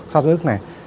sao dưỡng nước này